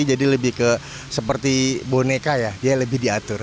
jadi lebih seperti boneka ya lebih diatur